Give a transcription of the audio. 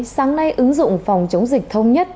sáng nay ứng dụng phòng chống dịch thông nhất